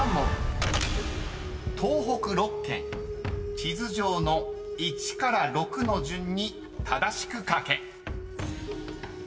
［地図上の１から６の順に正しく書け］